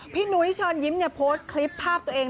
พี่นุ้ยชอนยิ้มเนี่ยโพสต์คลิปภาพตัวเอง